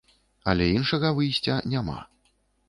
Але іншага выйсця няма.